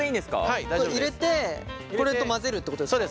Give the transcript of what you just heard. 入れてこれと混ぜるってことですか？